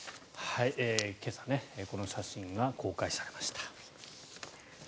今朝、この写真が公開されました。